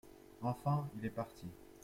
Enfin il est parti.